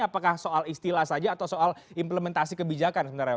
apakah soal istilah saja atau soal implementasi kebijakan sebenarnya